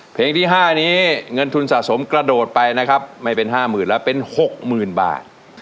เพลงที่๕นี้เงินทุนสะสมกระโดดไปนะครับไม่เป็น๕๐๐๐แล้วเป็น๖๐๐๐บาท